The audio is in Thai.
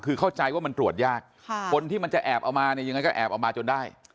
คือเข้าใจว่ามันตรวจยากคนที่มันจะแอบเอามาเนี่ยยังไงก็แอบเอามาจนได้